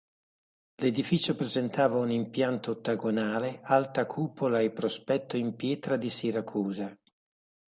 L'edificio presentava un impianto ottagonale, alta cupola e prospetto in pietra di Siracusa.